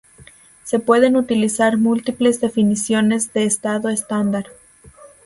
Se pueden utilizar múltiples definiciones de estado estándar.